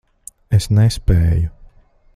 Es nespēju.